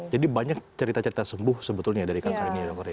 jadi banyak cerita cerita sembuh sebetulnya dari kanker ini dokter ya